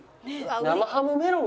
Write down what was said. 生ハムメロン。